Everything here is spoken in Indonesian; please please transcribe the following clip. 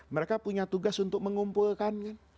mereka punya tugas untuk mengumpulkan